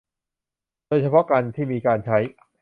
โดยเฉพาะการที่มีการใช้